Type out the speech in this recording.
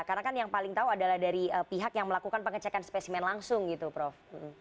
karena kan yang paling tahu adalah dari pihak yang melakukan pengecekan spesimen langsung gitu prof